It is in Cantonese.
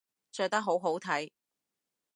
着得好好睇